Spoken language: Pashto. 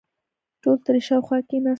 ټول ترې شاوخوا کېناستل.